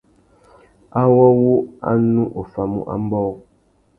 Awô wu a nu offamú ambōh.